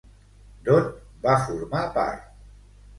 D'on va formar part?